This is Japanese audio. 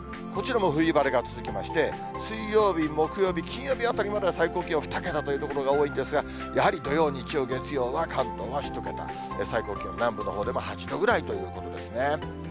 こちらも冬晴れが続きまして、水曜日、木曜日、金曜日あたりまでは最高気温２桁という所が多いんですが、やはり土曜、日曜、月曜は関東は１桁、最高気温、南部のほうでも８度ぐらいということですね。